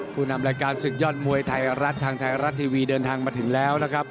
ผู้นำรายการศึกยอดมวยไทยรัฐทางไทยรัฐทีวีเดินทางมาถึงแล้วนะครับ